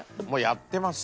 やってます？